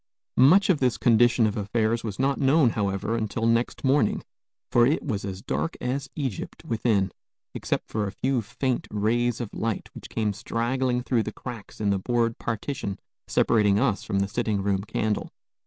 Much of this condition of affairs was not known, however, until next morning; for it was as dark as Egypt within, except for a few faint rays of light which came straggling through the cracks in the board partition separating us from the sitting room candle.